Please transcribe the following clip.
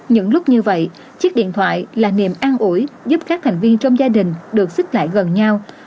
những lúc như vậy chiếc điện thoại là niềm an ủi giúp các thành viên trong gia đình được xích lại gần nhau